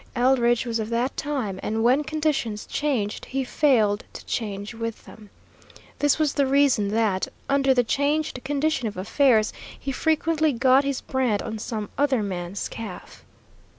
Eldridge was of that time, and when conditions changed, he failed to change with them. This was the reason that, under the changed condition of affairs, he frequently got his brand on some other man's calf.